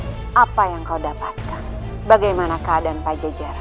hai amuknya ruang apa yang kau dapatkan bagaimana keadaan pajajara